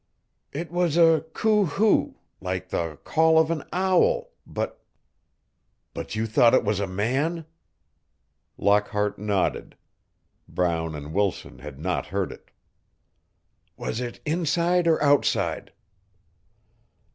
"It was a coo hoo like the call of an owl, but " "But you thought it was a man?" Lockhart nodded. Brown and Wilson had not heard it. "Was it inside or outside?"